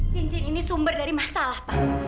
cincin ini sumber dari masalah pak